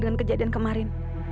dengan kejadian kemarin